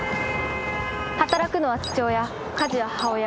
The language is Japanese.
働くのは父親家事は母親。